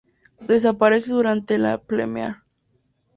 Desaparece durante la pleamar.